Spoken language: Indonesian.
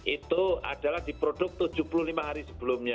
itu adalah diproduk tujuh puluh lima hari sebelumnya